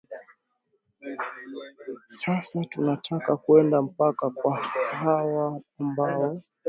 sasa tunataka kwenda mpanda kwa hawa ambao